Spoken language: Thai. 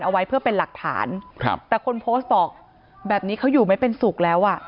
เอาไว้เพื่อเป็นหลักฐานครับแต่คนโพสต์บอกแบบนี้เขาอยู่ไม่เป็นสุขแล้วอ่ะ